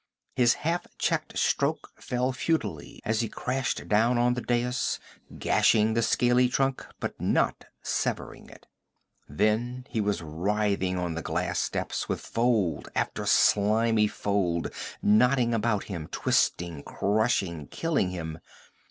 His half checked stroke fell futilely as he crashed down on the dais, gashing the scaly trunk but not severing it. Then he was writhing on the glass steps with fold after slimy fold knotting about him, twisting, crushing, killing him.